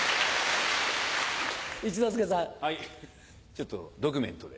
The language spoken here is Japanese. ちょっとドキュメントで。